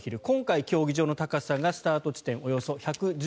今回、競技場の高さがスタート地点およそ１１５ｍ。